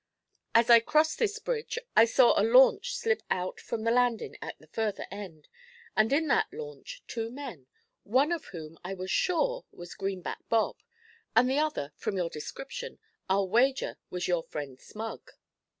As I crossed this bridge I saw a launch slip out from the landing at the further end, and in that launch two men, one of whom I was sure was Greenback Bob, and the other, from your description, I'll wager was your friend Smug.'